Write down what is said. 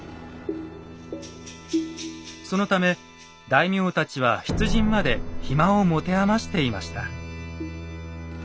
そのため大名たちは出陣まで暇を持て余していました。